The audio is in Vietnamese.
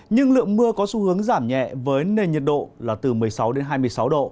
nhưng lượng mưa có xu hướng giảm nhẹ với nền nhiệt độ là từ một mươi sáu hai mươi sáu độ